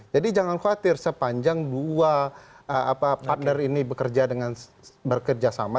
jadi jangan khawatir sepanjang dua partner ini bekerja sama